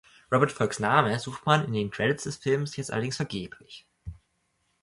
Robert Folks Name sucht man in den Credits des Films jetzt allerdings vergeblich.